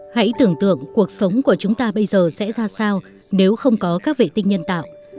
hãy tưởng tượng cuộc sống của chúng ta bây giờ sẽ ra sao nếu không có các vệ tinh nhân tạo